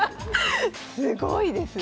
すごいですね。